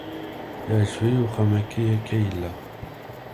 Iεǧeb-iyi uxxam-ayi akka yella.